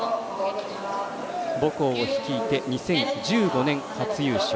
母校を率いて、２０１３年初優勝。